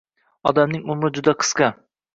Odamning umri juda qisqa